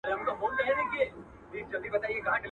پرون یې کلی، نن محراب سبا چنار سوځوي!